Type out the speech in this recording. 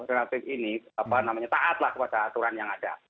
relatif ini apa namanya taatlah kepada aturan yang ada